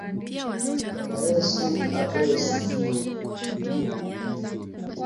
Bwana Yesu upewe sifa.